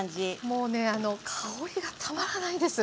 もうね香りがたまらないです。